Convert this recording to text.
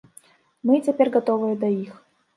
Мы і цяпер гатовыя да іх.